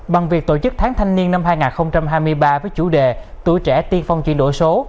bằng việc tổ chức tháng thanh niên năm hai nghìn hai mươi ba với chủ đề tuổi trẻ tiên phong chuyển đổi số